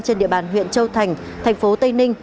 trên địa bàn huyện châu thành thành phố tây ninh